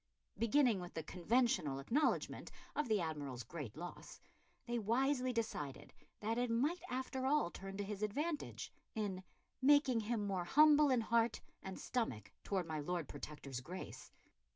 Beginning with the conventional acknowledgment of the Admiral's great loss, they wisely decided that it might after all turn to his advantage, in "making him more humble in heart and stomach towards my Lord Protector's Grace."